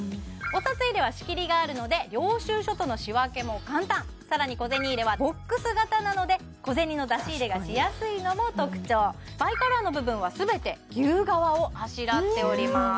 お札入れは仕切りがあるので領収書との仕分けも簡単さらに小銭入れはボックス型なので小銭の出し入れがしやすいのも特徴バイカラーの部分は全て牛革をあしらっております